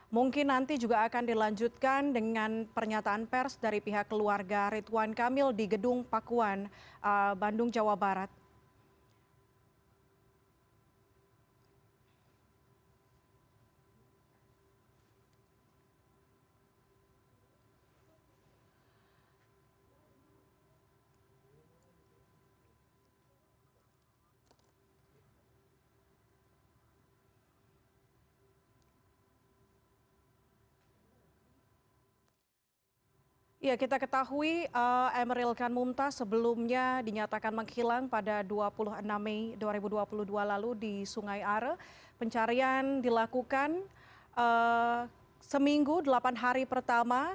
mungkin nanti juga akan dilanjutkan dengan pernyataan pers dari pihak keluarga rituan kamil di gedung pakuan bandung jawa barat